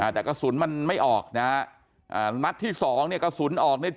แต่กระสุนมันไม่ออกนะฮะนัดที่สองเนี่ยกระสุนออกเนี่ย